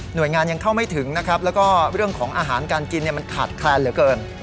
โดยงานยังเข้าไม่ถึงนะครับแล้วก็เรื่องของอาหารการกินมันขาดแคลนเหลือเกิน